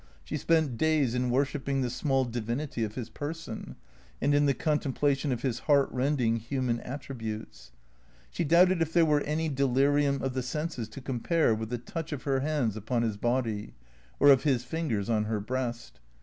She spent days in worshipping the small divinity of his person, and in the contemplation of his heartrending human attributes. She doubted if there were any delirium of the senses to compare with the touch of her hands upon his body, or of his fingers on her breast.